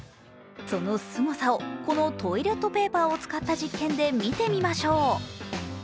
そのすごさを、このトイレットペーパーを使った実験で見てみましょう。